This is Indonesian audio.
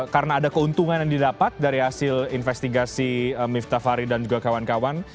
karena ada keuntungan yang didapat dari hasil investigasi miftah fahri dan juga kawan kawan